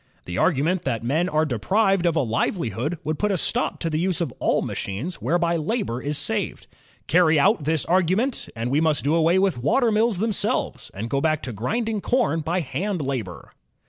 ... The argument that men are deprived of a livelihood would put a stop to the use of all machines whereby labor is saved. Carry out this argu ment, and we must do away with water mills themselves, and go back again to grinding com by hand labor."